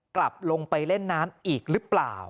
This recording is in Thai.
กลับลงไปเล่นน้ำอีกหรือเปล่า